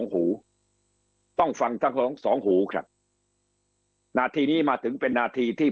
หูต้องฟังทั้งสองหูครับนาทีนี้มาถึงเป็นนาทีที่